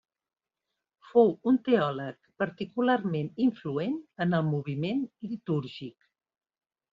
Fou un teòleg particularment influent en el moviment litúrgic.